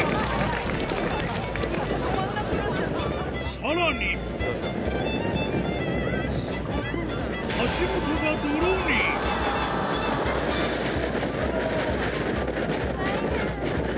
さらに足元が泥に大変。